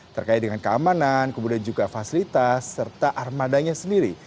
terkait dengan keamanan kemudian juga fasilitas serta armadanya sendiri